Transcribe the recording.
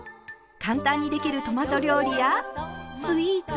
簡単にできるトマト料理やスイーツ。